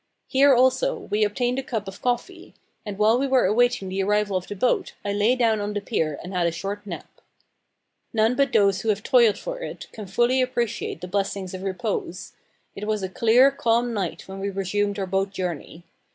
Here, also, we obtained a cup of coffee; and while we were awaiting the arrival of the boat I lay down on the pier and had a short nap. None but those who have toiled for it can fully appreciate the blessing of repose. It was a clear, calm night when we resumed our boat journey.